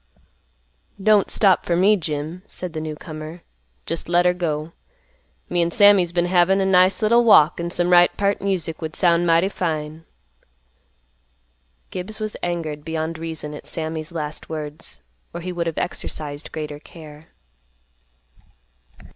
"Don't stop fer me, Jim," said the newcomer. "Jest let her go. Me an' Sammy's been havin' a nice little walk, an' some right peart music would sound mighty fine." Gibbs was angered beyond reason at Sammy's last words, or he would have exercised greater care.